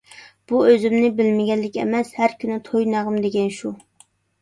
بۇ ئۆزۈمنى بىلمىگەنلىك ئەمەس، ھەر كۈنى توي - نەغمە دېگەن شۇ.